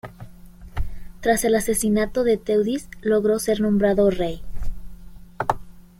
Tras el asesinato de Teudis logró ser nombrado rey.